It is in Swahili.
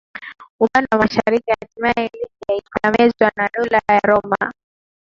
upande wa mashariki Hatimaye Libya ikamezwa na Dola la Roma